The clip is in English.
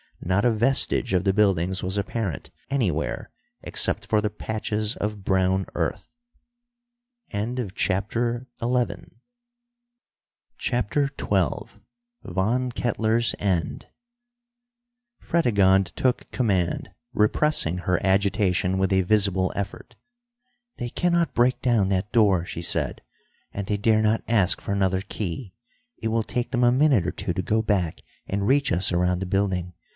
Not a vestige of the buildings was apparent anywhere, except for the patches of brown earth. CHAPTER XII Von Kettler's End Fredegonde took command, repressing her agitation with a visible effort. "They cannot break down that door," she said, "and they dare not ask for another key. It will take them a minute or two to go back and reach us around the building.